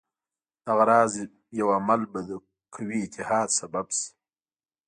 دغه راز یو عمل به د قوي اتحاد سبب شي.